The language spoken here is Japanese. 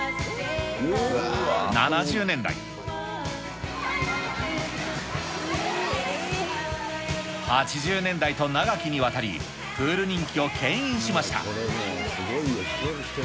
７０年代、８０年代と長きにわたり、プール人気をけん引しました。